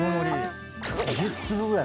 １０粒ぐらい？